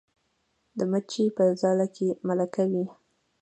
د مچۍ په ځاله کې ملکه وي